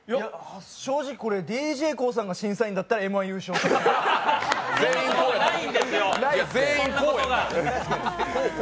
正直これ、ＤＪＫＯＯさんが審査員だったらＭ−１優勝ですね。